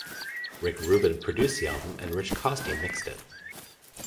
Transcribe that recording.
Rick Rubin produced the album and Rich Costey mixed it.